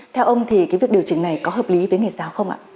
theo ông thì cái việc điều chỉnh này có hợp lý với nghề giáo không ạ